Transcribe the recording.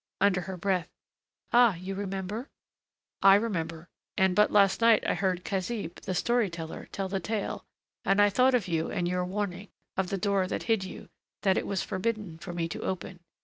Under her breath, "Ah, you remember?" "I remember. And but last night I heard Khazib, the story teller, tell the tale, and I thought of you and your warning of the door that hid you, that it was forbidden for me to open."